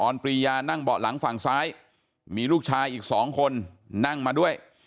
ปรียานั่งเบาะหลังฝั่งซ้ายมีลูกชายอีกสองคนนั่งมาด้วย